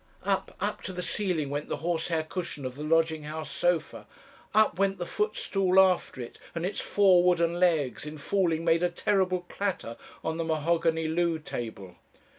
"Up, up to the ceiling went the horsehair cushion of the lodging house sofa up went the footstool after it, and its four wooden legs in falling made a terrible clatter on the mahogany loo table.